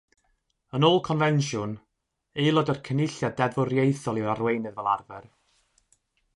Yn ôl confensiwn, aelod o'r Cynulliad Deddfwriaethol yw'r Arweinydd fel arfer.